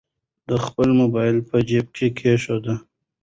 ده خپل موبایل په جیب کې کېښود.